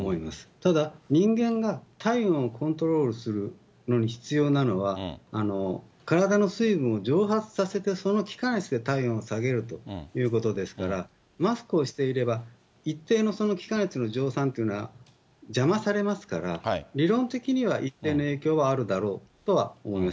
ただ、人間が体温をコントロールするのに必要なのは、体の水分を蒸発させて、その気化熱で体温を下げるということですから、マスクをしていれば、一定のその気化熱の蒸散というのは邪魔されますから、理論的には一定の影響はあるだろうとは思います。